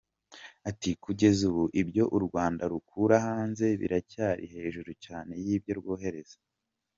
Ati “Kugeza ubu ibyo u Rwanda rukura hanze biracyari hejuru cyane y’ibyo rwoherezayo.